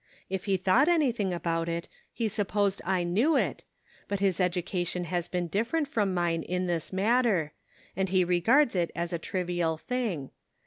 If he thought anything about it, he supposed I knew it, but his education has been different from mine in this matter, and he re gards it as a trivial thing.